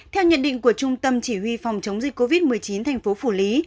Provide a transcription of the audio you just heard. theo nhận định của trung tâm chỉ huy phòng chống dịch covid một mươi chín thành phố phủ lý